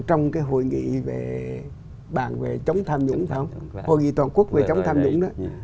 trong cái hội nghị toàn quốc về chống tham nhũng đó